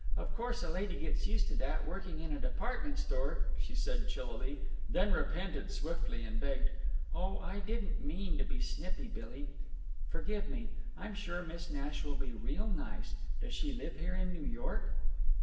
Of course a lady gets used to that, working in a department store," she said, chillily; then repented swiftly and begged: "Oh, I didn't mean to be snippy, Billy. Forgive me! I'm sure Miss Nash will be real nice. Does she live here in New York?"